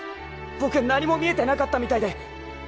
僕何も見えてなかったみたいで。